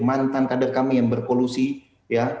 mantan kader kami yang berkolusi ya